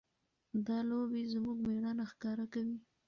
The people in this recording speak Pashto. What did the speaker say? دا لوبې زموږ مېړانه ښکاره کوي.